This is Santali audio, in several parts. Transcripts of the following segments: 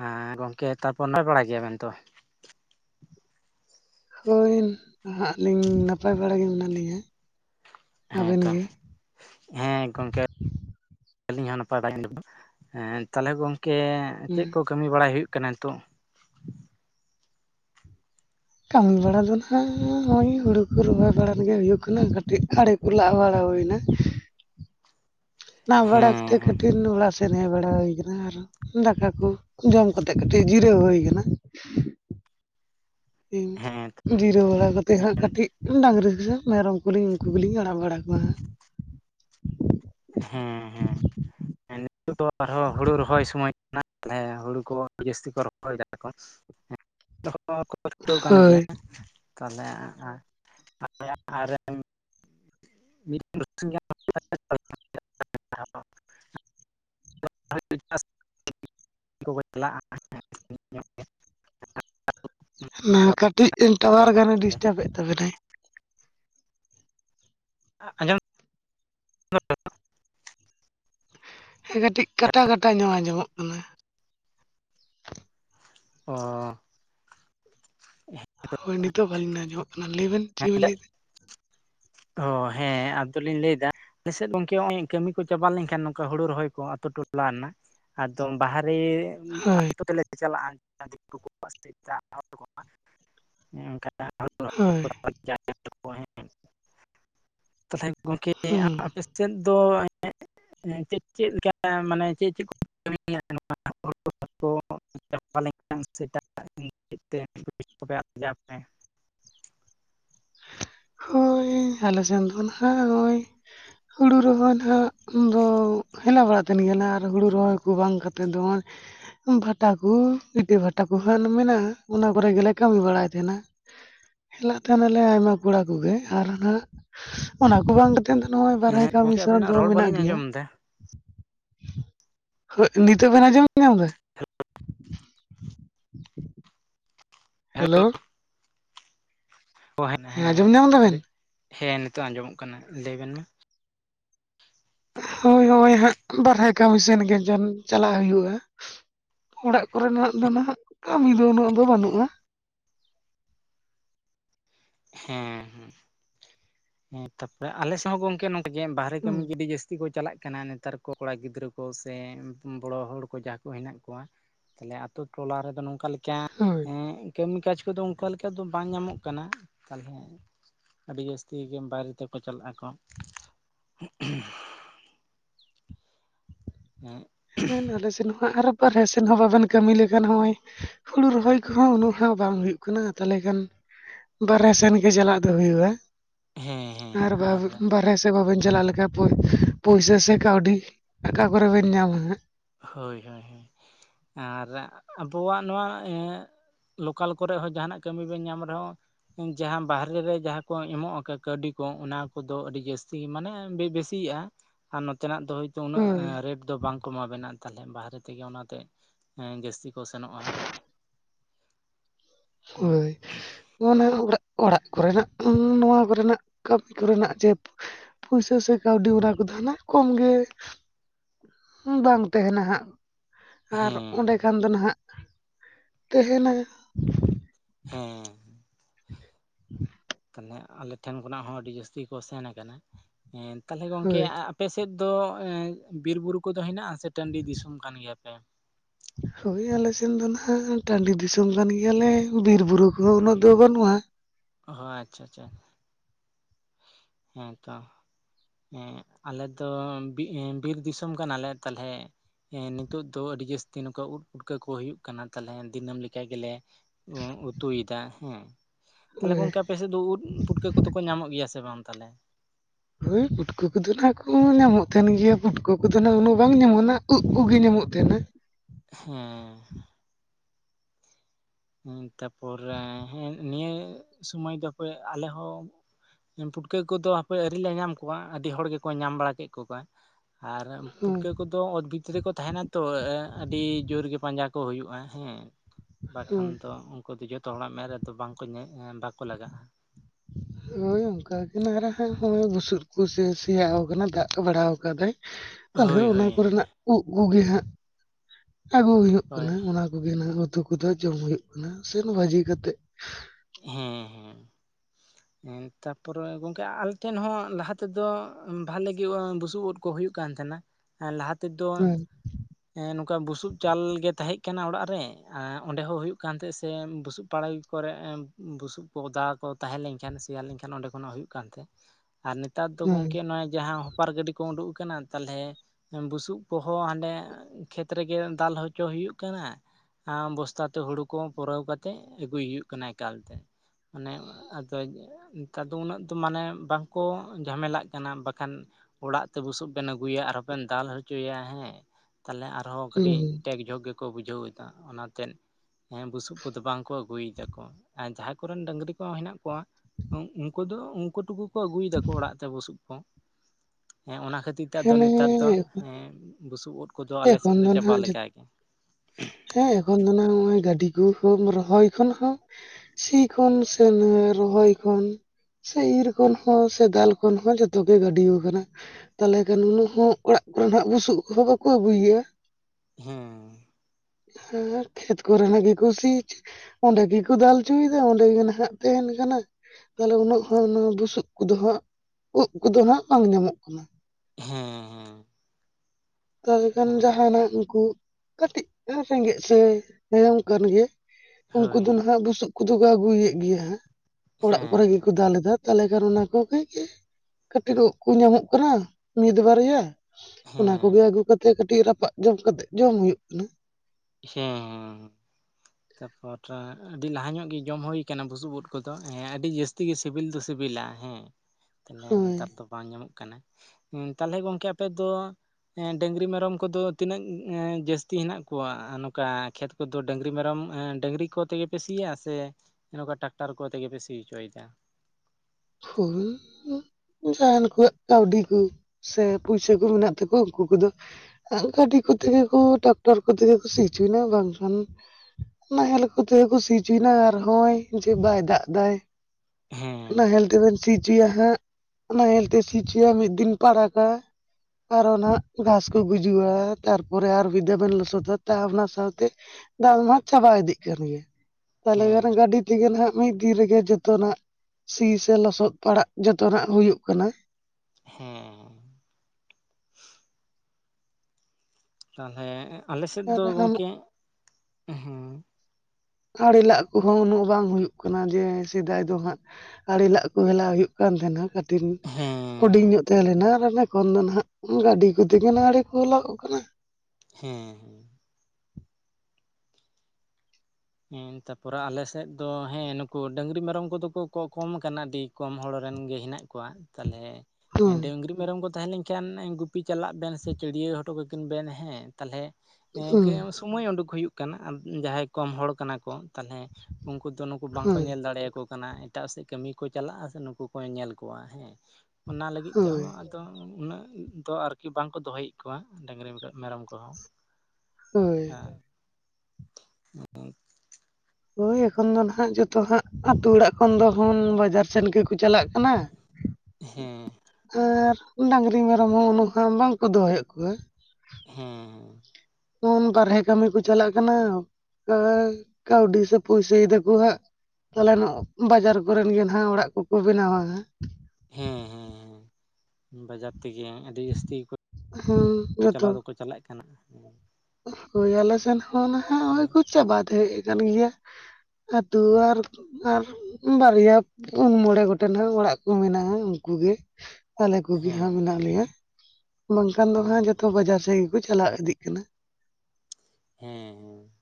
ᱦᱮᱸ ᱜᱚᱝᱠᱮ ᱛᱟᱨᱯᱚᱨ ᱱᱚᱭ ᱵᱟᱲᱟᱟᱭ ᱜᱮᱭᱟᱵᱤᱱ ᱛᱚ? ᱦᱳᱭᱜ ᱟᱹᱞᱤᱧ ᱱᱟᱯᱟᱭ ᱵᱟᱲᱟ ᱜᱮ ᱢᱮᱱᱟᱜ ᱞᱤᱧᱟ᱾ ᱦᱮᱸᱛᱚ ᱦᱮᱸ ᱜᱚᱢᱠᱮᱼᱼ ᱟᱹᱞᱤᱧ ᱦᱚᱸ ᱱᱟᱯᱟᱭ ᱵᱟᱲᱟ ᱜᱮ ᱛᱟᱦᱚᱞᱮ ᱜᱚᱢᱠᱮ ᱦᱮᱸ ᱪᱮᱫ ᱠᱚ ᱠᱟᱹᱢᱤ ᱵᱟᱲᱟᱭ ᱦᱩᱭᱩᱜ ᱠᱟᱱᱟ ᱱᱤᱛᱚᱜ᱾ ᱠᱟᱹᱢᱤ ᱵᱟᱲᱟ ᱫᱚ ᱱᱟᱦᱟᱜ ᱱᱚᱜᱼᱚᱭ ᱦᱩᱲᱩ ᱠᱚ ᱨᱚᱦᱚᱭ ᱵᱟᱲᱟᱜᱮ ᱦᱩᱭᱩᱜ ᱠᱟᱱᱟ ᱠᱟᱹᱴᱤᱡ ᱟᱲᱮᱼᱼ ᱚᱞᱟᱜ ᱵᱟᱲᱟ ᱦᱩᱭ ᱮᱱᱟ᱾ [inaudible] ᱞᱟᱜ ᱵᱟᱲᱟ ᱦᱮᱸ ᱠᱟᱛᱮ ᱦᱮᱸ ᱠᱟᱹᱴᱤᱱ ᱚᱲᱟᱜ ᱥᱮᱱ ᱦᱮᱜ ᱵᱟᱲᱟ ᱦᱩᱭ ᱟᱠᱟᱱᱟ ᱟᱨᱼᱼ ᱫᱟᱠᱟ ᱠᱚ ᱡᱚᱢ ᱠᱟᱛᱮᱜ ᱠᱟᱹᱴᱤᱡ ᱡᱤᱨᱟᱹᱣ ᱦᱩᱭ ᱟᱠᱟᱱᱟ᱾ ᱤᱧ ᱦᱮᱸ ᱡᱤᱨᱟᱹᱣ ᱵᱟᱲᱟ ᱠᱟᱛᱮ ᱦᱟᱸᱜ ᱠᱟᱹᱴᱤᱡᱼᱼ ᱰᱟᱝᱨᱤ ᱜᱮᱥᱮᱫ ᱢᱮᱨᱚᱢ ᱠᱚᱞᱤᱧ ᱩᱱᱠᱩ ᱜᱮᱞᱤᱧ ᱟᱲᱟᱜ ᱵᱟᱲᱟ ᱠᱚᱣᱟ᱾ ᱦᱮᱸ ᱦᱮᱸᱼᱼ ᱱᱤᱛᱚᱜ ᱫᱚ ᱟᱨᱦᱚᱸ ᱦᱩᱲᱩ ᱨᱚᱦᱚᱭ ᱥᱢᱚᱭ ᱠᱟᱱᱟ ᱛᱟᱦᱮ ᱦᱩᱲᱩ ᱠᱚ ᱡᱟᱹᱥᱛᱤ ᱠᱚ ᱨᱚᱦᱚᱭ ᱫᱟ ᱠᱚᱼᱼ ᱦᱮᱸ ᱱᱤᱛᱚᱜ ᱦᱚ ᱠᱚ ᱪᱷᱩᱴᱟᱹᱣ ᱟᱠᱟᱱ ᱜᱮᱭᱟ᱾ ᱦᱳᱭ ᱛᱟᱦᱞᱮ ᱟᱞᱮᱭᱟᱜ ᱨᱮ ᱢᱤᱫ ᱵᱟᱨᱥᱤᱧ [unintelligible] [unintelligible] ᱪ ᱠᱚᱠᱚ ᱪᱟᱞᱟᱜᱼᱟ [unintelligible] ᱢᱟ ᱠᱟᱹᱴᱤᱡ ᱴᱟᱣᱟᱨ ᱜᱟᱱᱮ ᱰᱤᱥᱴᱟᱵᱫ ᱛᱟᱵᱤᱱᱟᱭ᱾ ᱟ ᱟᱸᱡᱚᱢ [unintelligible] ᱦᱮᱸ ᱠᱟᱹᱴᱤᱡ ᱠᱟᱴᱟ ᱠᱟᱴᱟ ᱧᱚᱜ ᱟᱸᱡᱚᱢᱚᱜ ᱠᱟᱱᱟ᱾ ᱚᱻ ᱦᱳᱭ ᱱᱤᱛᱚᱜ ᱵᱷᱟᱹᱞᱤᱱᱚᱜ ᱟᱸᱡᱚᱢᱚᱜ ᱠᱟᱱᱟ ᱞᱟᱹᱭᱵᱤᱱ ᱪᱮᱫᱵᱤᱱ ᱞᱟᱹᱭᱮᱼᱼ ᱚ ᱦᱮᱸ ᱟᱫᱚᱞᱤᱧ ᱞᱟᱹᱭ ᱮᱫᱟ᱾ ᱫᱮᱥᱮ ᱜᱚᱝᱼᱠᱮ ᱱᱚᱜ ᱚᱭ ᱠᱟᱹᱢᱤ ᱠᱚ ᱪᱟᱵᱟᱣ ᱞᱮᱱᱠᱷᱟᱱ ᱱᱚᱝᱠᱟ ᱦᱩᱲᱩ ᱨᱚᱦᱚᱭ ᱠᱚ ᱟᱛᱳ ᱴᱚᱞᱟ ᱨᱮᱱᱟᱜ᱾ ᱟᱛᱚᱢ ᱵᱟᱦᱨᱮ-ᱟ ᱦᱳᱭ ᱟᱹᱛᱩ ᱛᱮᱞᱮ ᱪᱟᱞᱟᱜᱼᱟ᱾ [unintelligible] ᱦᱳᱭ ᱛᱟᱦᱚᱞᱮ ᱜᱚᱝᱠᱮ ᱦᱮᱸ ᱟᱯᱮ ᱥᱮᱫ ᱫᱚ ᱦᱮᱸ [unintelligible] ᱮᱱᱛᱮᱫ ᱪᱮᱫᱞᱮᱠᱟ ᱢᱟᱱᱮ ᱪᱮᱫ ᱪᱮᱫ ᱠᱚ [unintelligible] ᱪ ᱞᱮᱱᱠᱷᱟᱱ ᱥᱮᱛᱟᱜᱮ ᱟᱨᱡᱟ [unintelligible] ᱦᱚᱭ ᱟᱞᱮ ᱥᱮᱱ ᱠᱷᱚᱱ ᱦᱜ ᱦᱳᱭᱼᱼ ᱦᱩᱲᱩ ᱨᱚᱦᱚᱭ ᱫᱚᱜ ᱫᱚ ᱦᱮᱞᱟ ᱵᱟᱲᱟᱜ ᱛᱟᱦᱮᱱ ᱜᱮᱭᱟ ᱟᱨ ᱦᱩᱲᱩ ᱨᱚᱦᱚᱭ ᱠᱚ ᱵᱟᱝᱼᱼ ᱛᱟ ᱫᱚᱶᱟᱠᱼᱼ ᱵᱷᱟᱴᱟ ᱠᱚ ᱤᱴᱟᱹ ᱵᱷᱟᱴᱟ ᱠᱚ ᱦᱟᱱ ᱢᱮᱱᱟᱜᱼᱟ ᱚᱱᱟ ᱠᱚᱨᱮ ᱜᱮᱞᱮ ᱠᱟᱹᱢᱤ ᱵᱟᱲᱟᱭᱮᱫ ᱛᱟᱦᱮᱱᱟ᱾ ᱦᱮᱞᱟᱜ ᱛᱟᱦᱮᱱᱟᱞᱮ ᱟᱭᱢᱟ ᱠᱚᱲᱟ ᱠᱚᱜᱮ ᱟᱨ ᱚᱱᱟ ᱠᱚ ᱵᱟᱝᱼᱼ ᱛᱮᱱ ᱫᱚ ᱱᱚᱜᱼᱚᱭ ᱵᱟᱨᱦᱮ ᱦᱮᱸ ᱠᱟᱹ ᱜᱚᱝᱠᱮ ᱢᱤᱥᱚᱱ ᱟᱵᱮᱱᱟᱜ ᱫᱚ ᱨᱚᱲ ᱢᱮᱱᱟᱜ ᱵᱟᱹᱞᱤᱧ ᱜᱮᱭᱟ᱾ ᱟᱸᱡᱚᱢ ᱮᱫᱟ ᱳᱭ ᱱᱤᱛᱚᱜ ᱵᱮᱱ ᱟᱸᱡᱚᱢ ᱧᱟᱢ ᱮᱫᱟ? ᱦᱮᱞᱳ ᱚ ᱦᱮ ᱦᱮᱸ ᱟᱸᱡᱚᱢ ᱧᱟᱢ ᱫᱟᱵᱮᱱ ᱦᱮᱸ ᱱᱤᱛᱚᱜ ᱟᱸᱡᱚᱢᱚᱜ ᱠᱟᱱᱟ ᱞᱟᱹᱭ ᱵᱮᱱ ᱢᱟ? ᱦᱳᱭ ᱦᱳᱭ ᱦᱟᱸᱜ ᱵᱟᱦᱨᱮ ᱠᱟᱹᱢᱤ ᱥᱮᱱ ᱜᱮ ᱡᱟᱹᱞ ᱪᱟᱞᱟᱜ ᱦᱩᱭᱩᱜᱼᱟ᱾ ᱚᱲᱟᱜ ᱠᱚᱨᱮ ᱱᱟᱦᱟᱸᱜ ᱫᱚ ᱱᱟᱦᱟᱸᱜ ᱠᱟᱹᱢᱤ ᱫᱚ ᱩᱱᱟᱹᱜ ᱫᱚ ᱵᱟᱹᱱᱩᱜᱼᱟ᱾ ᱦᱮᱸ ᱦᱮᱸ ᱦᱮᱸ ᱛᱟᱯᱚᱨᱮ ᱟᱞᱮᱥᱮᱫ ᱦᱚᱸ ᱜᱚᱝᱠᱮ ᱱᱚᱝᱠᱟ ᱵᱟᱦᱨᱮ ᱠᱟᱹᱢᱤ ᱦᱮᱸ ᱡᱩᱫᱤ ᱡᱟᱹᱥ ᱛᱤ ᱠᱚ ᱪᱟᱞᱟᱜ ᱠᱟᱱᱟ ᱱᱮᱛᱟᱨ ᱠᱚ ᱠᱚᱲᱟ ᱜᱤᱫᱽᱨᱟᱹ ᱠᱚ ᱥᱮ ᱵᱚᱲᱚ ᱦᱚᱲ ᱠᱚ ᱡᱟᱦᱟᱸ ᱠᱚ ᱦᱮᱱᱟᱜ ᱠᱚᱣᱟ ᱛᱟᱦᱞᱮ ᱟᱹᱛᱩ ᱴᱚᱞᱟ ᱨᱮᱫᱚ ᱱᱚᱝᱠᱟ ᱞᱮᱠᱟ ᱦᱳᱭ ᱮᱸᱜ ᱠᱟᱹᱢᱤ ᱠᱟᱡᱽ ᱠᱚᱫᱚ ᱚᱱᱠᱟ ᱞᱮᱠᱟ ᱫᱚ ᱵᱟᱝ ᱧᱟᱢᱚᱜ ᱠᱟᱱᱟ᱾ ᱛᱟᱦᱚᱞᱮ ᱟᱹᱰᱤ ᱡᱟᱹᱥ ᱛᱤ ᱜᱮᱢ ᱵᱟᱭᱨᱮ ᱛᱮᱠᱚ ᱪᱟᱞᱟᱜ ᱟᱠᱚ [unintelligible] ᱦᱮᱸ ᱦᱮᱱ ᱟᱞᱮ ᱥᱮᱱ ᱦᱚᱸ ᱦᱟᱸᱜ ᱟᱨᱚ ᱵᱟᱦᱨᱮ ᱥᱮᱱ ᱦᱚᱸ ᱵᱟᱵᱮᱱ ᱠᱟᱹᱢᱤ ᱞᱮᱠᱷᱟᱱ ᱦᱚᱸᱜᱼᱚᱭ ᱦᱩᱲᱩ ᱨᱚᱦᱚᱭ ᱠᱚᱦᱚᱸ ᱩᱱᱟᱹᱜ ᱦᱟᱸᱜ ᱵᱟᱝ ᱦᱩᱭᱩᱜ ᱠᱟᱱᱟ ᱛᱟᱦᱚᱞᱮ ᱠᱷᱟᱱ ᱵᱟᱨᱦᱮ ᱥᱮᱱ ᱜᱮ ᱪᱟᱞᱟᱜ ᱫᱚ ᱦᱩᱭᱩᱜᱼᱟ᱾ ᱟᱨ [unintelligible] ᱵᱟᱦᱨᱮ ᱥᱮ ᱵᱟᱵᱮᱱ ᱪᱟᱞᱟᱜ ᱞᱮᱠᱷᱟᱡ ᱯᱚᱭ ᱯᱩᱭᱥᱟᱹ ᱥᱮ ᱠᱟᱹᱣᱰᱤ ᱚᱠᱟ ᱠᱚᱨᱮ ᱵᱮᱱ ᱧᱟᱢᱟ ᱦᱟᱸᱜ ᱦᱳᱭ ᱦᱳᱭ ᱦᱳᱭ ᱟᱨ ᱟᱵᱚᱣᱟᱜ ᱱᱚᱣᱟ ᱮᱸᱜ ᱞᱳᱠᱟᱞ ᱠᱚᱨᱮ ᱦᱚᱸ ᱡᱟᱦᱟᱸᱱᱟᱜ ᱠᱟᱹᱢᱤ ᱵᱮᱱ ᱧᱟᱢ ᱨᱮᱦᱚᱸ ᱡᱟᱦᱟᱸ ᱵᱟᱦᱨᱮ ᱨᱮ ᱡᱟᱦᱟᱸ ᱠᱚ ᱮᱢᱚᱜ ᱟᱠᱚ ᱠᱟᱹᱣᱰᱤ ᱠᱚ ᱚᱱᱟ ᱠᱚᱫᱚ ᱟᱹᱰᱤ ᱡᱟᱹᱥᱛᱤ ᱜᱤ ᱢᱟᱱᱮ ᱵᱮᱼᱵᱮᱥ ᱛᱤᱭᱟ ᱟᱨ ᱱᱚᱛᱮᱱᱟᱜ ᱫᱚ ᱦᱳᱭᱛᱚ ᱩᱱᱟᱹᱜ ᱦᱳᱭ ᱨᱮᱴ ᱫᱚ ᱵᱟᱝ ᱠᱚ ᱮᱢᱟ ᱵᱮᱱᱟᱜ ᱛᱟᱞᱮᱭ ᱵᱟᱦᱨᱮ ᱛᱮᱜᱮ ᱚᱱᱟᱛᱮ ᱮᱸ ᱡᱟᱹᱥᱛᱤ ᱠᱚ ᱥᱮᱱᱚᱜᱼᱟ᱾ ᱦᱳᱭ ᱚᱱᱮ ᱚᱲᱟᱜ ᱚᱲᱟᱜ ᱠᱚᱨᱮᱱᱟᱜ [unintelligible] ᱱᱚᱣᱟ ᱠᱚᱨᱮᱱᱟᱜ ᱠᱟᱹᱜ ᱠᱚᱨᱮᱱᱟᱜ ᱡᱮ ᱯᱩᱭᱥᱟᱹ ᱥᱮ ᱠᱟᱹᱣᱰᱤ ᱚᱱᱟ ᱠᱚᱫᱚ ᱱᱟᱦᱟᱸᱜ ᱠᱚᱢ ᱜᱮ ᱵᱟᱝ ᱛᱟᱦᱮᱱᱟ ᱦᱟᱸᱜ ᱟᱨ ᱚᱸᱰᱮ ᱦᱮᱸ ᱠᱷᱟᱱ ᱫᱚ ᱱᱟᱦᱟᱸᱜ ᱛᱮᱦᱮᱱᱟ ᱦᱮᱸ ᱛᱟᱱᱮ ᱦᱟᱸᱜ ᱟᱞᱮ ᱴᱷᱮᱱ ᱠᱷᱚᱱᱟᱜ ᱦᱚᱸ ᱟᱹᱰᱤ ᱡᱟᱹᱥᱛᱤ ᱜᱮᱠᱚ ᱥᱮᱱ ᱟᱠᱟᱱᱟ᱾ ᱮᱸ ᱛᱟᱦᱞᱮ ᱜᱚᱝᱠᱮ ᱦᱳᱭ ᱮ ᱟᱯ ᱟᱯᱮ ᱥᱮᱫ ᱫᱚ ᱮᱸ ᱵᱤᱨ ᱵᱩᱨᱩ ᱠᱚᱫᱚ ᱦᱮᱱᱟᱜᱼᱟ ᱥᱮ ᱴᱟᱺᱰᱤ ᱫᱤᱥᱚᱢ ᱠᱟᱱ ᱜᱮᱭᱟᱯᱮ ᱦᱳᱭ ᱟᱞᱮ ᱥᱮᱱ ᱫᱚ ᱱᱟᱦᱟᱸᱜ ᱴᱟᱺᱰᱤ ᱫᱤᱥᱚᱢ ᱠᱟᱱ ᱜᱮᱭᱟᱞᱮ ᱵᱤᱨ ᱵᱩᱨᱩ ᱠᱚᱦᱚᱸ ᱩᱱᱟᱹᱜ ᱫᱚ ᱵᱟᱹᱱᱩᱜᱼᱟ᱾ ᱦᱚᱸ ᱟᱪᱪᱷᱟ ᱟᱪᱪᱷᱟ ᱦᱮᱸ ᱛᱚ ᱦᱮᱸ ᱟᱞᱮ ᱫᱚ ᱵᱤ ᱮᱸ ᱵᱤᱨ ᱫᱤᱥᱚᱢ ᱠᱟᱱᱟᱞᱮ ᱛᱟᱞᱦᱮ ᱮᱸ ᱱᱤᱛᱚᱜ ᱫᱚ ᱟᱹᱰᱤ ᱡᱟᱹᱥᱛᱤ ᱱᱚᱝᱠᱟ ᱩᱫ ᱯᱩᱴᱠᱟᱹ ᱠᱚ ᱦᱩᱭᱩᱜ ᱠᱟᱱᱟ ᱛᱟᱞᱦᱮ ᱫᱤᱱᱟᱹᱢ ᱞᱮᱠᱟ ᱜᱮᱞᱮ ᱚᱸ ᱩᱛᱩᱭᱮᱫᱟ ᱦᱮᱸ ᱛᱟᱦᱞᱮ ᱦᱳᱭ ᱜᱚᱝᱠᱮ ᱟᱯᱮ ᱥᱮᱫ ᱫᱚ ᱩᱫ ᱯᱩᱴᱠᱟᱹ ᱠᱚᱫᱚ ᱠᱚ ᱧᱟᱢᱚᱜ ᱜᱮᱭᱟ ᱥᱮ ᱵᱟᱝ ᱛᱟᱞᱮ ᱦᱳᱭ ᱯᱩᱴᱠᱟᱹ ᱠᱚᱫᱚ ᱠᱷᱟᱡ ᱠᱚ ᱧᱟᱢᱚᱜ ᱛᱟᱦᱮᱱ ᱜᱮᱭᱟ ᱯᱩᱴᱠᱟᱹ ᱠᱚᱫᱚ ᱱᱟᱦᱟᱸᱜ ᱩᱱᱟᱹᱜ ᱵᱟᱝ ᱧᱟᱢᱚᱜᱱᱟ ᱩᱫ ᱠᱚᱜᱤ ᱧᱟᱢᱚᱜ ᱛᱟᱦᱮᱱᱟ᱾ ᱦᱮᱸ ᱦᱩᱸ ᱛᱟᱯᱚᱨᱮ ᱦᱮᱸ ᱱᱤᱭᱟᱹ ᱥᱩᱢᱚᱭ ᱫᱚ ᱦᱳᱭ ᱟᱞᱮ ᱦᱚᱸ ᱯᱩᱴᱠᱟᱹ ᱠᱚᱫᱚ ᱦᱟᱯᱮ ᱟᱹᱣᱨᱤ ᱞᱮ ᱧᱟᱢ ᱠᱚᱣᱟ ᱟᱹᱰᱤ ᱦᱚᱲ ᱜᱮᱠᱚ ᱧᱟᱢ ᱵᱟᱲᱟ ᱠᱮᱜ ᱠᱚᱣᱟ ᱟᱨ ᱦᱳᱭ ᱯᱩᱴᱠᱟᱹ ᱠᱚᱫ ᱫᱚ ᱚᱛ ᱵᱷᱤᱛ ᱨᱮᱠᱚ ᱛᱟᱦᱮᱱᱟ ᱛᱚ ᱟᱹᱰᱤ ᱡᱳᱨᱜᱮ ᱯᱟᱸᱡᱟ ᱠᱚ ᱦᱩᱭᱩᱜᱼᱟ ᱦᱮᱸ ᱠᱷᱟᱱ ᱦᱳᱭ ᱫᱚ ᱩᱝᱠᱩ ᱫᱚ ᱡᱚᱛᱚ ᱦᱚᱲᱟᱜ ᱢᱮᱫ ᱨᱮᱫᱚ ᱵᱟᱝᱠᱚ ᱧᱮ ᱮᱸ ᱵᱟᱠᱚ ᱞᱟᱜᱟᱜᱼᱟ᱾ ᱦᱳᱭ ᱚᱝᱠᱟ ᱜᱮ ᱱᱟᱦᱟᱸᱜ ᱦᱳᱭ ᱵᱩᱥᱩᱵ ᱠᱚ ᱥᱮ ᱥᱮᱭᱟᱣ ᱠᱟᱱᱟ ᱫᱟᱜ ᱵᱟᱲᱟᱣ ᱠᱟᱫᱟᱭ ᱛᱟᱞᱦᱮ ᱦᱳᱭ ᱚᱱᱟ ᱦᱳᱭ ᱠᱚᱨᱮᱱᱟᱜ ᱩᱫ ᱠᱚᱜᱤ ᱦᱟᱸᱜ ᱟᱹᱜᱩ ᱦᱩᱭᱩᱜ ᱦᱳᱭ ᱠᱟᱱᱟ ᱚᱱᱟ ᱠᱚᱜᱤᱱ ᱦᱟᱸᱜ ᱦᱩᱛᱩ ᱠᱚᱫᱚ ᱡᱚᱢ ᱦᱩᱭᱩᱜ ᱠᱟᱱᱟ ᱥᱮᱱ ᱵᱷᱟᱹᱡᱤ ᱠᱟᱛᱮᱜ ᱦᱩᱸ ᱦᱩᱸ ᱮᱸ ᱛᱟᱯᱚᱨᱮ ᱜᱚᱝᱠᱮ ᱟᱞᱮ ᱴᱷᱮᱱ ᱦᱚᱸ ᱞᱟᱦᱟ ᱛᱮᱫᱚ ᱵᱷᱟᱞᱮ ᱜᱮ ᱵᱩᱥᱩᱵ ᱩᱫ ᱠᱚ ᱦᱩᱭᱩᱜ ᱠᱟᱱ ᱛᱟᱦᱮᱱᱟ ᱞᱟᱦᱟ ᱛᱮᱫᱚ ᱦᱳᱭ ᱮᱸ ᱱᱚᱝᱠᱟ ᱵᱩᱥᱩᱵ ᱪᱟᱞ ᱜᱮ ᱛᱟᱦᱮᱸᱜ ᱠᱟᱱᱟ ᱚᱲᱟᱜ ᱨᱮ ᱟᱸ ᱚᱸᱰᱮ ᱦᱚᱸ ᱦᱩᱭᱩᱜ ᱠᱟᱱ ᱛᱟᱦᱮᱸ ᱥᱮ ᱵᱩᱥᱩᱯ ᱯᱟᱲᱚᱭ ᱠᱚᱨᱮᱜ ᱮᱸ ᱵᱩᱥᱩᱵ ᱠᱚ ᱚᱫᱟ ᱠᱚ ᱛᱟᱦᱮᱸ ᱞᱮᱱ ᱠᱷᱟᱱ ᱥᱮᱭᱟ ᱞᱮᱱ ᱠᱷᱟᱱ ᱚᱸᱰᱮ ᱠᱷᱚᱱ ᱦᱚᱸ ᱦᱩᱭᱩᱜ ᱠᱟᱱᱛᱮ ᱟᱨ ᱱᱮᱛᱟᱨ ᱫᱚ ᱦᱳᱭ ᱜᱚᱝᱠᱮ ᱱᱚᱜᱼᱚᱭ ᱡᱟᱦᱟᱸ ᱦᱚᱯᱟᱨ ᱜᱟᱹᱰᱤ ᱠᱚ ᱩᱸᱰᱩᱸᱜ ᱟᱠᱟᱱᱟ ᱛᱟᱞᱦᱮ ᱵᱩᱥᱩᱵ ᱠᱚᱦᱚᱸ ᱦᱟᱸᱰᱮ ᱠᱷᱮᱛ ᱨᱮᱜᱮ ᱫᱟᱞ ᱦᱚᱪᱚ ᱦᱩᱭᱩᱜ ᱠᱟᱱᱟ -ᱼ ᱵᱚᱥᱛᱟ ᱛᱮ ᱦᱩᱲᱩ ᱠᱚ ᱯᱚᱨᱟᱹᱣ ᱠᱟᱛᱮᱜ ᱟᱹᱜᱩᱭ ᱦᱩᱭᱩᱜ ᱠᱟᱱᱟ ᱾ ᱮᱠᱟᱞᱛᱮ ᱢᱟᱱᱮᱜ ᱩᱸᱜ ᱟᱫᱚᱡᱼᱩᱸᱜ ᱾ ᱛᱟᱨᱫᱚ ᱩᱱᱟᱹᱜ ᱫᱚ ᱢᱟᱱᱮ ᱵᱟ-ᱠᱚ ᱡᱷᱟᱢᱮᱞᱟᱜ ᱠᱟᱱᱟ ᱵᱟᱠᱷᱟᱱ ᱚᱲᱟᱜ ᱛᱮ ᱵᱩᱥᱩᱵ ᱵᱮᱱ ᱟᱹᱜᱩᱭᱟ ᱟᱨᱦᱚᱸ ᱵᱮᱱ ᱫᱟᱞ ᱦᱚᱪᱚᱭᱟ ᱦᱮᱸ ᱛᱟᱞᱦᱮ ᱟᱨᱦᱚᱸ ᱠᱟᱹᱴᱤᱡ ᱴᱮᱠ ᱡᱷᱚᱠ ᱜᱮᱠᱚ ᱵᱩᱡᱷᱟᱹᱣ ᱮᱫᱟ ᱚᱱᱟᱛᱮ ᱦᱮᱸ ᱵᱩᱥᱩᱵ ᱠᱚᱫᱚ ᱵᱟᱝ ᱠᱚ ᱟᱹᱜᱩᱭᱮᱫᱟ ᱠᱚ ᱾ ᱟᱨ ᱡᱟᱦᱟᱸᱭ ᱠᱚᱨᱮᱱ ᱰᱟᱹᱝᱨᱤ ᱠᱚᱸᱦᱚᱸ ᱦᱮᱱᱟᱜ ᱠᱚᱣᱟ ᱩᱱᱠᱩ ᱫᱚ ᱩᱱᱠᱩ ᱴᱩᱠᱩ ᱠᱚ ᱟᱹᱜᱩᱭ ᱫᱟᱠᱚ ᱚᱲᱟᱜ ᱛᱮ ᱵᱩᱥᱩᱵ ᱾ ᱠᱚᱸᱜ, ᱦᱮᱸ ᱚᱱᱟ ᱠᱷᱟᱹᱛᱤᱨ ᱛᱮ ᱟᱫᱚ ᱦᱮᱸ ᱱᱮᱛᱟᱨ ᱫᱚ ᱦᱮᱸ ᱮᱸ ᱵᱩᱥᱩᱵ ᱳᱫ ᱠᱩᱫᱚ ᱟᱞᱮ ᱥᱮᱫ ᱮᱠᱷᱚᱱ ᱫᱚ ᱪᱟᱵᱟ ᱱᱟᱦᱟᱜ ᱞᱮᱠᱟ ᱜᱮ ᱾ ᱦᱮᱸ ᱮᱠᱷᱚᱱ ᱫᱚ ᱱᱟᱸᱦᱜ ᱱᱚᱜ-ᱚᱭ ᱜᱟᱹᱰᱤ ᱠᱩ ᱠᱚ ᱨᱚᱦᱚᱭ ᱠᱷᱚᱱ ᱦᱚᱸ ᱥᱤ ᱠᱷᱚᱱ ᱥᱮ ᱚᱱᱟ ᱨᱚᱦᱚᱭ ᱠᱷᱚᱱ ᱥᱮ ᱤᱨ ᱠᱷᱚᱱ ᱦᱚᱸ ᱥᱮ ᱫᱟᱞ ᱠᱷᱚᱱ ᱦᱚᱸ ᱡᱚᱛᱚ ᱜᱮ ᱜᱟᱹᱰᱤᱭ ᱠᱟᱱᱟ ᱾ ᱛᱟᱞᱦᱮ ᱠᱷᱟᱱ ᱩᱱᱟᱹᱜ ᱦᱚᱸ ᱚᱲᱟᱜ ᱠᱚᱨᱮ ᱱᱟᱜ ᱵᱩᱥᱩᱵ ᱠᱚᱦᱚᱸ ᱵᱟᱠᱚ ᱟᱹᱜᱩᱭ ᱜᱮᱭᱟ ᱦᱮᱸᱦ------------᱾ ᱟᱨ ᱠᱷᱮᱛ ᱠᱚᱨᱮᱱᱟᱜ ᱜᱮ ᱜᱷᱩᱥᱤ ᱚᱸᱰᱮ ᱜᱮᱠᱩ ᱫᱟᱞ ᱪᱚᱭᱫᱟ ᱚᱸᱰᱮ ᱜᱮ ᱱᱟᱦᱟᱸᱜ ᱛᱮᱦᱮᱱ ᱠᱟᱱᱟ ᱾ ᱛᱟᱞᱦᱮ ᱩᱱᱟᱹᱜ ᱦᱚᱸ ᱚᱱᱟ ᱵᱩᱥᱩᱵ ᱠᱚᱫᱚ ᱦᱟᱸᱜ ᱩᱜ ᱠᱚᱫᱚ ᱱᱟᱸᱦᱜ ᱵᱟᱝ ᱧᱟᱢᱚᱜ ᱠᱟᱱᱟ ᱷᱮᱸᱦ ᱦᱮᱸ-ᱦᱮᱸ ᱾ ᱛᱟᱦᱞᱮ ᱠᱷᱟᱱ ᱡᱟᱦᱟᱸᱱᱟᱜ ᱩᱱᱠᱩ ᱠᱟᱹᱴᱤᱡ ᱥᱮᱸᱜᱮᱡ ᱥᱮ ᱛᱟᱹᱭᱚᱢ ᱠᱟᱱ ᱜᱮ ᱩᱱᱠᱩ ᱦᱳᱭ ᱫᱚ ᱱᱟᱜ ᱵᱩᱥᱩᱵ ᱠᱚᱫᱚ ᱠᱚ ᱟᱹᱜᱩᱭᱮᱜ ᱜᱮᱭᱟ ᱚᱲᱟ-ᱜ ᱠᱚᱨᱮ ᱦᱮᱸ ᱜᱮᱠᱚ ᱫᱟᱞ ᱮᱫᱟ ᱾ ᱛᱟᱦᱞᱮ ᱠᱷᱟᱱ ᱚᱱᱟ ᱠᱚ ᱜᱮ ᱥ-ᱮᱜ ᱠᱟᱹᱴᱤᱡ ᱫᱚ ᱧᱟᱢᱚᱜ ᱠᱟᱱᱟ ᱢᱤᱫᱽ ᱵᱟᱨᱭᱟ ᱾ ᱦᱟᱠᱩ ᱦᱮᱸ ᱜᱮ ᱟᱹᱜᱩ ᱠᱟᱛᱮᱜ ᱠᱟᱹᱴᱤᱡ ᱨᱟᱯᱟᱜ ᱡᱚᱢ ᱠᱟᱛᱮᱜ ᱡᱚᱢ ᱦᱩᱭᱩ-ᱜ ᱠᱟᱱᱟ ᱾ ᱪᱷᱟ----ᱟ ᱯᱟᱦᱴᱟ ᱟᱹᱰᱤ ᱞᱟᱦᱟᱸ ᱧᱚᱜ ᱜᱮ ᱡᱚᱢ ᱦᱩᱭ ᱠᱟᱱᱟ ᱵᱩᱥᱩᱵ ᱩᱫ ᱠᱚᱫᱚᱸ ᱦᱮᱸ ᱟᱹᱰᱤ ᱡᱟᱹᱥᱛᱤ ᱜᱮ ᱥᱤᱵᱤᱞ ᱫᱚ ᱥᱤᱵᱤᱞᱟ ᱦᱮᱸ ᱾ ᱛᱟᱞᱦᱮ ᱦᱳᱭ ᱱᱮᱛᱟᱨ ᱫᱚ ᱵᱟᱝ ᱧᱟᱢᱚᱜ ᱠᱟᱱᱟ ᱦᱩᱸ, ᱛᱟᱞᱦᱮ ᱜᱚᱝᱠᱮ ᱟᱯᱮ ᱫᱚ ᱰᱟᱹᱝᱨᱤ ᱢᱮᱨᱚᱢ ᱠᱚᱫᱚ ᱛᱤᱱᱟᱹᱜ ᱡᱟᱹᱥᱛᱤ ᱦᱮᱱᱟᱜ ᱠᱚᱣᱟ? ᱚᱣᱟᱜ ᱱᱚᱝᱠᱟ ᱠᱷᱮᱛ ᱠᱚᱫᱚ ᱰᱟᱹᱝᱨᱤ ᱢᱮᱨᱚᱢ ᱰᱟᱹᱝᱨᱤ ᱠᱚᱛᱮ ᱜᱮ ᱯᱮ ᱥᱤᱭᱟ ᱥᱮ ᱱᱚᱠᱟ ᱴᱨᱟᱠᱴᱟᱨ ᱠᱚᱛᱮ ᱜᱮ ᱯᱮ ᱥᱤ ᱦᱪᱚᱭᱮᱜ-ᱟ? ᱯᱷᱩᱞ, ᱡᱟᱦᱟᱸᱱ ᱠᱚᱣᱟᱜ ᱠᱟᱹᱣᱰᱤ ᱠᱚ ᱾ ᱥᱮ ᱯᱩᱭᱥᱟᱹ ᱠᱚ ᱢᱮᱱᱟᱜ ᱛᱟᱠᱚᱣᱟ ᱩᱱᱠᱩ ᱠᱚᱫᱚ ᱟᱸᱜ ᱜᱟᱹᱰᱤ ᱠᱚᱛᱮᱜᱮ ᱠᱚ ᱴᱟᱠᱴᱚᱨ ᱠᱚᱛᱮᱜᱮ ᱠᱚ ᱥᱤ ᱦᱪᱚᱭᱱᱟ ᱵᱟᱝᱠᱷᱟᱱ ᱱᱟᱦᱮᱞ ᱠᱚᱛᱮ ᱜᱮ ᱠᱩ ᱥᱤ ᱚᱪᱚᱭᱱᱟ ᱟᱨ ᱦᱚᱸᱭ ᱡᱮ ᱵᱟᱭ ᱫᱟᱜ ᱫᱟᱭ ᱦᱮᱸ ᱱᱟᱦᱮᱞ ᱛᱮ ᱵᱮᱱ ᱥᱤ ᱪᱚᱭᱟ ᱦᱟᱸᱜ ᱱᱟᱦᱮᱞ ᱛᱮ ᱥᱤ ᱪᱚᱭᱟ ᱢᱤᱫ ᱫᱤᱱ ᱯᱟᱲᱟᱜᱟ ᱟᱨᱚ ᱱᱟᱜ ᱜᱷᱟᱥ ᱠᱚ ᱜᱩᱡᱩᱜᱼᱟ ᱛᱟᱨᱯᱚᱨᱮ ᱟᱨ ᱵᱤᱫ ᱫᱷᱟᱣ ᱵᱮᱱ ᱞᱚᱥᱚᱫᱟ ᱚᱱᱟ ᱥᱟᱶᱛᱮ ᱫᱟᱞ ᱢᱟ ᱪᱟᱵᱟ ᱤᱫᱤᱜ ᱠᱟᱱ ᱜᱮ ᱦᱮᱸ ᱛᱟᱞᱦᱮ ᱜᱟᱹᱰᱤ ᱛᱮᱜᱮ ᱱᱟᱜ ᱢᱤᱫ ᱫᱤᱱ ᱨᱮᱜᱮ ᱡᱚᱛᱚ ᱱᱟᱜ ᱥᱤ ᱥᱮ ᱞᱚᱥᱚᱫ ᱯᱟᱲᱟᱜ ᱡᱚᱛᱚᱱᱟ-ᱜ ᱦᱩᱭᱩᱜ ᱠᱟᱱᱟ ᱾ ᱦᱮᱸᱦ----᱾ ᱛᱟᱞᱦᱮ ᱟᱞᱮ ᱥᱮᱫ ᱟᱨ ᱫᱚ ᱟᱢᱟᱜ ᱜᱚᱝᱠᱮ ᱮᱸᱷ-ᱦ ᱟᱲᱮ ᱞᱟᱜ ᱠᱚᱦᱚᱸ ᱩᱱᱟᱹᱜ ᱵᱟᱝ ᱦᱩᱭᱩᱜ ᱠᱟᱱᱟ ᱡᱮ ᱥᱮᱫᱟᱭ ᱫᱚ ᱦᱟᱸᱜ ᱟᱲᱮ ᱞᱟᱜ ᱠᱚ ᱦᱮᱞᱟᱣ ᱦᱩᱭᱩᱜ ᱠᱟᱱ ᱛᱟᱦᱮᱱᱟ ᱠᱟᱴᱤᱱ ᱦᱩᱰᱤᱝ ᱦᱮᱸ ᱧᱚᱜ ᱛᱟᱦᱮᱸ ᱞᱮᱱᱟ ᱟᱨ ᱮᱠᱷᱚᱱ ᱫᱚ ᱱᱟᱦᱟᱜ ᱜᱟᱰᱤ ᱠᱚᱛᱮ ᱜᱮ ᱱᱟᱲᱮᱹ ᱠᱚ ᱞᱟᱜᱚᱜ ᱠᱟᱱᱟ ᱾ ᱦᱮᱸ-ᱦᱮᱸ ᱾ ᱦᱮᱸ ᱛᱟᱨᱯᱚᱨᱮ ᱟᱞᱮ ᱥᱮᱫ ᱫᱚ ᱦᱮᱸ ᱱᱩᱠᱩ ᱰᱟᱹᱝᱨᱤ ᱢᱮᱨᱚᱢ ᱠᱚᱫᱚ ᱠᱚ ᱠᱚᱢ ᱟᱠᱟᱱᱟ ᱟᱹᱰᱤ, ᱠᱚᱢ ᱦᱚᱲ ᱨᱮᱱ ᱜᱮ ᱦᱮᱱᱟᱹᱜ ᱠᱚᱣᱟ ᱛᱟᱞᱦᱮ ᱦᱮᱸ [inaudible] ᱰᱟᱝᱨᱤ ᱢᱮᱨᱚᱢ ᱠᱚ ᱛᱟᱦᱮᱸ ᱞᱮᱱᱠᱷᱟᱱ ᱜᱩᱯᱤ ᱪᱟᱞᱟᱜ ᱵᱮᱱ ᱥᱮ ᱪᱟᱹᱰᱭᱟᱹ ᱦᱚᱴᱚ ᱠᱟᱠᱤᱱ ᱵᱮᱱ ᱦᱮᱸ ᱛᱟᱞᱦᱮ ᱦᱮᱸ ᱥᱚᱢᱚᱭ ᱩᱰᱩᱠ ᱦᱩᱭᱩ-ᱜ ᱠᱟᱱᱟ ᱡᱟᱦᱟᱸ ᱦᱟᱭ ᱠᱚᱢ ᱦᱚᱲ ᱠᱟᱱᱟ ᱠᱚ ᱛᱟᱞᱦᱮᱸ, ᱩᱱᱠᱩ ᱫᱚ ᱱᱩᱠᱩ ᱵᱟᱝ ᱠᱚ ᱦᱮᱸ ᱧᱮᱞ ᱫᱟᱲᱮᱭ ᱟᱠᱚ ᱠᱟᱱᱟ ᱮᱴᱟᱜ ᱥᱮᱫ ᱠᱟᱹᱢᱤ ᱠᱚ ᱪᱟᱞᱟᱜ-ᱟ ᱥᱮ ᱱᱩᱠᱩ ᱠᱚ ᱧᱮᱞ ᱠᱚᱣᱟ ᱦᱮᱸ ᱚᱱᱟ ᱞᱟᱹᱜᱤᱫ ᱛᱮᱦᱚᱸ ᱦᱳᱭ ᱚ ᱩᱱᱟᱹᱜ ᱫᱚ ᱟᱨᱠᱤ ᱵᱟᱝᱠᱚ ᱫᱚᱦᱚᱭᱮᱫ ᱠᱚᱣᱟ ᱰᱟᱝᱨᱤ ᱢᱮᱨᱚᱢ ᱠᱚᱦᱚᱸ᱾ ᱦᱳᱭ᱾ ᱦᱮᱸ [unintelligible] ᱦᱳᱭ ᱮᱠᱷᱚᱱ ᱫᱚ ᱱᱟᱦᱟᱹᱜ ᱡᱚᱛᱚ ᱦᱟᱸᱜ ᱟᱛᱳ ᱚᱲᱟᱹᱜ ᱠᱷᱚᱱ ᱫᱚ ᱦᱚ ᱵᱟᱡᱟᱨ ᱥᱮᱱ ᱜᱮ ᱠᱚ ᱪᱟᱞᱟᱜ ᱠᱟᱱᱟ᱾ ᱦᱮᱸ ᱟᱨ ᱰᱟᱝᱨᱤ ᱢᱮᱨᱚᱢ ᱦᱚᱸ [inaudible] ᱵᱟᱝᱹᱠᱩ ᱫᱚᱦᱚᱭᱮᱫ ᱠᱚᱣᱟᱹ ᱦᱮᱸ ᱵᱟᱨᱦᱮ ᱠᱟᱹᱢᱤ ᱠᱚ ᱪᱟᱞᱟᱜ ᱠᱟᱱᱟ ᱠᱟᱹᱣᱰᱤ ᱥᱮ ᱯᱩᱭᱥᱟᱹᱭ ᱫᱟᱠᱚ ᱦᱟᱸᱜ᱾ ᱛᱟᱦᱚᱞᱮ ᱵᱟᱡᱟᱨ ᱠᱚᱨᱮᱱ ᱜᱮ ᱱᱟᱹᱜ ᱚᱲᱟᱜ ᱠᱚᱠᱚᱸ ᱵᱮᱱᱟᱣᱟ ᱦᱟᱸᱜ ᱾ ᱦᱮᱸ ᱦᱮᱸ ᱦᱮᱸ ᱵᱟᱡᱟᱨ ᱛᱮᱜᱮ ᱟᱹᱰᱤ ᱡᱟᱹᱥᱛᱤ ᱠᱚ ᱡᱚᱛᱚ ᱪᱟᱞᱟᱣ ᱫᱚᱠᱚ ᱪᱟᱞᱟᱜ ᱠᱟᱱᱟ ᱦᱮᱸ ᱦᱳᱭ ᱟᱞᱮ ᱥᱮᱱ ᱦᱚᱸ ᱱᱟᱦᱟᱹᱜ ᱦᱮᱸ ᱱᱚᱜᱭ [inaudible] ᱦᱮᱡ ᱟᱠᱟᱱ ᱜᱮᱭᱟ, ᱟᱹᱛᱩ ᱟᱨ ᱟᱨ ᱵᱟᱨᱭᱟ ᱯᱩᱱ ᱢᱚᱬᱮ ᱜᱚᱴᱮᱱ ᱚᱲᱟᱜ ᱠᱩ ᱢᱮᱱᱟᱜ-ᱟ ᱩᱱᱠᱩᱹᱜᱤ ᱟᱞᱮ ᱠᱚᱜᱮ ᱦᱟᱸᱜ ᱦᱮᱸ ᱢᱮᱱᱟᱹᱜ ᱞᱮᱭᱟ, ᱵᱟᱝ ᱠᱷᱟᱱ ᱫᱚ ᱦᱟᱸᱜ ᱦᱮᱸ ᱡᱚᱛᱚ ᱵᱟᱡᱟᱨ ᱥᱮᱫ ᱜᱮᱠᱚ ᱪᱟᱞᱟᱣ ᱤᱫᱤᱜ ᱠᱟᱱᱟ᱾ ᱦᱮᱸ ᱦᱮᱸ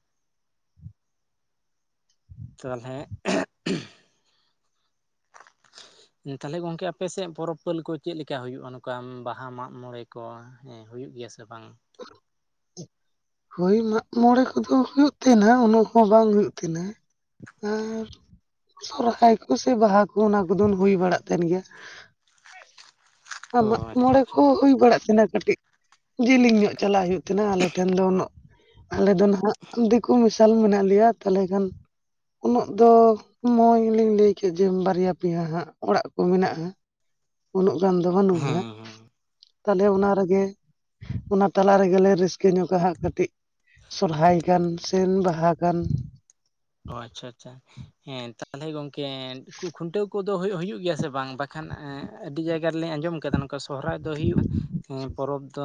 ᱛᱟᱦᱚᱞᱮ [unintelligible] ᱛᱟᱦᱚᱞᱮ ᱜᱚᱝᱠᱮ ᱟᱯᱮ ᱥᱮᱫ ᱯᱚᱨᱚᱵᱽ ᱯᱟᱹᱞᱤ ᱠᱚ ᱪᱮᱫ ᱞᱮᱠᱟ ᱦᱩᱭᱩᱜ-ᱟ ᱱᱚᱝᱠᱟ ᱵᱟᱦᱟ ᱢᱟᱜ ᱢᱚᱬᱮ ᱠᱚ? ᱦᱮᱸ ᱦᱩᱭᱩᱜ ᱜᱮᱭᱟ ᱥᱮ ᱵᱟᱝ [unintelligible] ᱦᱳᱭ ᱢᱟᱜ ᱢᱚᱬᱮ ᱠᱚᱫᱚ ᱦᱩᱭᱩᱜ ᱛᱟᱦᱮᱱᱟ ᱩᱱᱟᱹᱜ ᱦᱚᱸ ᱵᱟᱝ ᱦᱩᱭᱩᱜ ᱛᱟᱦᱮᱱᱟ᱾ ᱟᱨ ᱥᱚᱨᱦᱟᱭ ᱠᱚ ᱥᱮ ᱵᱟᱦᱟ ᱠᱚ ᱚᱱᱟ ᱠᱚᱫᱚ ᱦᱩᱭ ᱵᱟᱲᱟᱜ ᱠᱟᱱ ᱜᱮᱭᱟ᱾ ᱟᱸ ᱚ ᱢᱟᱜ ᱟᱪᱪᱷᱟ ᱢᱚᱬᱮ ᱠᱚ ᱟᱪᱪᱷᱟ ᱦᱩᱭ ᱵᱟᱲᱟᱜ ᱛᱟᱦᱮᱱᱟ ᱠᱟᱹᱴᱤᱡ ᱡᱮᱞᱮᱧ ᱧᱚᱜ, ᱪᱟᱞᱟᱜ ᱦᱩᱭᱩᱜ ᱛᱟᱦᱮᱱᱟ ᱟᱞᱮ ᱴᱷᱮᱱ ᱫᱚ ᱩᱱᱟᱹᱜ ᱟᱞᱮ ᱫᱚ ᱱᱟᱜ ᱫᱤᱠᱩ ᱢᱮᱥᱟᱞ ᱢᱮᱱᱟᱜ ᱞᱮᱭᱟ ᱛᱟᱦᱚᱞᱮ ᱠᱷᱟᱱ ᱩᱱᱟᱹᱜ ᱫᱚ ᱚᱭ ᱞᱤᱧ ᱞᱟᱹᱭ ᱠᱮᱫ ᱡᱮ ᱵᱟᱨᱭᱟ ᱯᱮᱭᱟ ᱦᱟᱸᱜ ᱚᱲᱟᱜ ᱠᱚ ᱢᱮᱱᱟᱜ-ᱟ᱾ ᱩᱱᱟᱹᱜ ᱜᱟᱱ ᱫᱚ ᱦᱮᱸ ᱵᱟᱹᱱᱩᱜ-ᱟ᱾ ᱦᱮᱸ ᱛᱟᱦᱚᱞᱮ ᱚᱱᱟ ᱨᱮᱜᱮ ᱚᱱᱟ ᱛᱟᱞᱟ ᱨᱮᱜᱮ ᱞᱮ ᱨᱟᱹᱥᱠᱟᱹ ᱧᱚᱜᱟ ᱦᱟᱸᱜ ᱠᱟᱹᱴᱤᱡ, ᱥᱚᱨᱦᱟᱭ ᱜᱟᱱ ᱥᱮ ᱵᱟᱦᱟ ᱜᱟᱱ ᱚᱸ ᱟᱪᱪᱷᱟ ᱪᱷᱟ᱾ ᱦᱮᱸ ᱛᱟᱦᱚᱞᱮ ᱜᱚᱢᱠᱮ ᱠᱷᱩᱱᱴᱟᱹᱣ ᱠᱚᱫᱚ ᱦᱩᱭᱩᱜ ᱦᱩᱭᱩᱜ ᱜᱮᱭᱟ ᱥᱮ ᱵᱟᱝ? ᱵᱟᱠᱷᱟᱱ ᱟᱹᱰᱤ ᱡᱟᱭᱜᱟ ᱨᱮᱞᱮᱧ ᱟᱸᱡᱚᱢ ᱟᱠᱟᱫᱟ ᱱᱚᱝᱠᱟ ᱥᱚᱨᱦᱟᱭ ᱫᱚ ᱦᱩᱭᱩᱜ-ᱟ, ᱯᱚᱨᱚᱵᱽ ᱫᱚ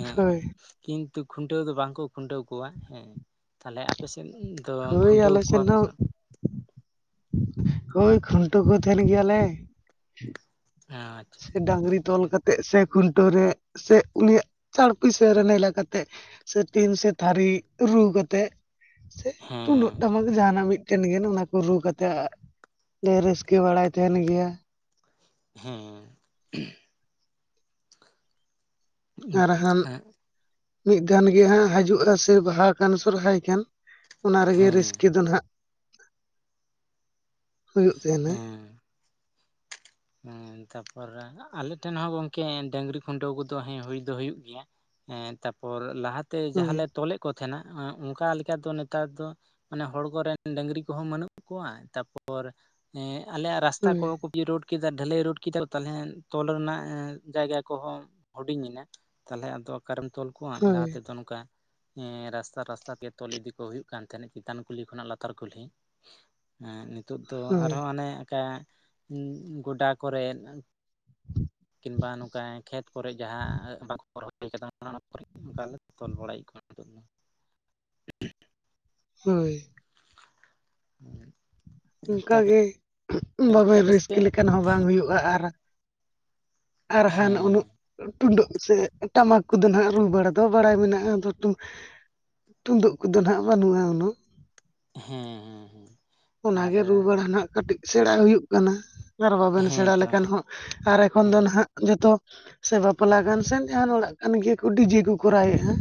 ᱮᱸ ᱦᱳᱭ ᱠᱤᱱᱛᱩ ᱠᱷᱩᱱᱴᱟᱹᱣ ᱫᱚ ᱵᱟᱝ ᱠᱚ ᱠᱷᱩᱱᱴᱟᱹᱣ ᱠᱚᱣᱟ ᱦᱮᱸ ᱛᱟᱦᱚᱞᱮ ᱟᱯᱮ ᱥᱮᱫ ᱫᱚ ᱦᱳᱭ ᱠᱷᱩᱱᱴᱟᱹᱣ ᱟᱞᱮ ᱠᱚᱣᱟ ᱥᱮᱱ ᱯᱮ ᱥᱮ ᱦᱚᱸ ᱵᱟᱝ ᱳᱭ ᱠᱷᱩᱱᱴᱟᱹᱣ ᱠᱚ ᱛᱟᱦᱮᱱ ᱜᱮᱭᱟᱞᱮ᱾ [unintelligible] ᱥᱮ ᱰᱟᱝᱨᱤ ᱛᱚᱞ ᱦᱮᱸ ᱠᱟᱛᱮᱜ ᱥᱮ ᱠᱷᱩᱱᱴᱟᱹᱣ ᱨᱮ ᱥᱮ ᱩᱱᱤᱭᱟᱜ ᱪᱟᱨ ᱯᱩᱭᱥᱟᱹ ᱨᱮ ᱱᱮᱞᱟ ᱠᱟᱛᱮ, ᱥᱮ ᱴᱤᱱ ᱥᱮ ᱛᱷᱟᱹᱨᱤ ᱨᱩ ᱠᱟᱛᱮᱜ ᱥᱮ ᱛᱩᱢᱫᱟᱹᱜ ᱴᱟᱢᱟᱠ ᱡᱟᱦᱟᱱᱟᱜ ᱢᱤᱫ ᱢᱤᱫᱴᱮᱱ ᱜᱮ ᱚᱱᱟ ᱠᱚ ᱨᱩ ᱠᱟᱛᱮ ᱞᱮ ᱨᱟᱹᱥᱠᱟᱹ ᱵᱟᱲᱟᱭ ᱛᱟᱦᱮᱱ ᱜᱮᱭᱟ᱾ ᱦᱮᱸ᱾ ᱦᱮᱸ ᱟᱨ ᱦᱟᱱ ᱢᱤᱫ ᱫᱷᱟᱱ ᱜᱮ ᱦᱟᱸᱜ ᱦᱤᱡᱩᱜᱼᱟ ᱥᱮ ᱵᱟᱦᱟ ᱠᱟᱱ ᱥᱚᱨᱦᱟᱭ ᱠᱟᱱ᱾ ᱚᱱᱟ ᱨᱮᱜᱮ ᱨᱟᱹᱥᱠᱟᱹ ᱫᱚ ᱱᱟᱦᱥᱜ ᱦᱩᱭᱩᱜ ᱛᱟᱦᱮᱸᱱᱟ᱾ ᱦᱮᱸ ᱦᱮᱸ ᱛᱟᱯᱚᱨ ᱟᱞᱮ ᱴᱷᱮᱱ ᱦᱚᱸ ᱜᱚᱝᱠᱮ ᱰᱟᱹᱝᱨᱤ ᱠᱷᱩᱱᱴᱟᱹᱣ ᱠᱚᱫᱚ ᱦᱮᱸ ᱦᱩᱭ ᱫᱚ ᱦᱩᱭᱩᱜ ᱜᱮᱭᱟ᱾ ᱮᱸ ᱛᱟᱨᱯᱚᱨ ᱞᱟᱦᱟᱛᱮ ᱦᱳᱭ ᱡᱟᱦᱟᱸᱞᱮ ᱛᱚᱞᱮᱫ ᱠᱚ ᱛᱟᱦᱮᱸᱱᱟ ᱮᱸᱜ ᱚᱱᱠᱟ ᱞᱮᱠᱟ ᱫᱚ ᱱᱮᱛᱟᱨ ᱫᱚ ᱢᱟᱱᱮ ᱦᱚᱲ ᱠᱚᱨᱮᱱ ᱰᱝᱨᱤ ᱠᱚᱦᱚᱸ ᱵᱟᱹᱱᱩᱜ ᱠᱚᱣᱟ ᱛᱟᱯᱚᱨ ᱦᱮᱸ ᱟᱞᱮᱭᱟᱜ ᱨᱟᱥᱛᱟ ᱦᱳᱭ ᱠᱚ ᱠᱚ ᱯᱤᱫ ᱨᱳᱰ ᱠᱮᱫᱟ ᱰᱷᱟᱹᱞᱟᱹᱭ ᱨᱳᱰ ᱠᱮᱫᱟ, ᱛᱟᱞᱦᱮ ᱛᱚᱞ ᱨᱮᱱᱟᱜ ᱮᱸ ᱡᱟᱭᱜᱟ ᱠᱚᱦᱚᱸ ᱦᱩᱰᱤᱧ ᱮᱱᱟ᱾ ᱛᱟᱞᱦᱮ ᱟᱫᱚ ᱚᱠᱟᱨᱮᱢ ᱛᱚᱞ ᱠᱚᱣᱟ ᱞᱟᱦᱟ ᱦᱳᱭ ᱛᱮᱫᱚ ᱱᱚᱝᱠᱟ ᱦᱮᱸ ᱨᱟᱥᱛᱟ ᱨᱟᱥᱛᱟ ᱛᱮ ᱛᱚᱞ ᱤᱫᱤ ᱠᱚ ᱦᱩᱭᱩᱜ ᱠᱟᱱ ᱛᱟᱦᱮᱸᱱᱟ ᱪᱮᱛᱟᱱ ᱠᱩᱞᱦᱤ ᱠᱷᱚᱱᱟᱜ ᱞᱟᱛᱟᱨ ᱠᱩᱞᱦᱤ᱾ ᱮᱸᱫ ᱱᱤᱛᱳᱜ ᱫᱚ ᱦᱳᱭ ᱟᱨᱦᱚᱸ ᱦᱟᱱᱮ ᱚᱱᱠᱟ ᱩᱸ ᱜᱚᱰᱟ ᱠᱚᱨᱮᱫ ᱠᱤᱢᱵᱟ ᱱᱚᱝᱠᱟ ᱠᱷᱮᱛ ᱠᱚᱨᱮ ᱡᱟᱦᱟᱸ ᱵᱟᱠᱚ ᱨᱚᱦᱚᱭ ᱠᱟᱫᱟ ᱚᱱᱟ ᱚᱱᱟ ᱠᱚᱨᱮ ᱠᱟᱞᱮ ᱛᱚᱞ ᱵᱟᱲᱟᱭᱮᱫ ᱠᱚᱣᱟ᱾ [inaudible] ᱦᱳᱭ᱾ ᱦᱳᱭ᱾ ᱚᱱᱠᱟᱜᱮ ᱵᱟᱵᱮᱱ ᱟᱯᱮ ᱥᱮᱫ ᱨᱟᱹᱥᱠᱟᱹ ᱞᱮᱠᱟᱱ ᱦᱚᱸ ᱵᱟᱝ ᱦᱩᱭᱩᱜᱼᱟ᱾ ᱟᱨ ᱟᱨ ᱦᱟᱱ ᱩᱱᱟᱹᱜ ᱦᱮᱸ ᱴᱩᱰᱫᱟᱹᱜ ᱥᱮ ᱴᱟᱢᱟᱠ ᱠᱚᱫᱚ ᱱᱟᱦᱟᱜ ᱨᱩ ᱵᱟᱲᱟ ᱫᱚ ᱵᱟᱲᱟᱭ ᱢᱮᱱᱟᱜᱼᱟ ᱟᱫᱚ ᱛᱩᱢ ᱛᱩᱢᱫᱟᱹᱜ ᱠᱚᱫᱚ ᱱᱟᱦᱟᱜ ᱵᱟᱹᱱᱩᱜᱼᱟ ᱩᱱᱟᱹᱜ᱾ ᱦᱮᱸ ᱦᱮᱸ ᱦᱮᱸ᱾ ᱟᱨ ᱚᱱᱟᱜᱮ ᱨᱩ ᱵᱟᱲᱟ ᱱᱟᱦᱜ ᱠᱟᱹᱴᱤᱡ ᱥᱮᱬᱟ ᱦᱩᱭᱩᱜ ᱠᱟᱱᱟ᱾ ᱟᱨ ᱵᱟᱵᱮᱱ ᱦᱮᱸ ᱥᱮᱬᱟ ᱛᱚ ᱞᱮᱠᱷᱟᱱ ᱦᱚᱸ ᱟᱨ ᱮᱠᱷᱚᱱ ᱫᱚ ᱱᱦᱟᱜ ᱡᱚᱛᱚ ᱥᱮ ᱵᱟᱯᱞᱟ ᱠᱟᱱ ᱥᱮᱱᱱ ᱡᱟᱦᱟᱱ ᱚᱲᱟᱜ ᱠᱟᱱ ᱜᱮᱭᱟ ᱠᱚ ᱰᱤᱡᱮ ᱠᱚ ᱠᱚᱨᱟᱣᱮᱫᱼᱟᱺ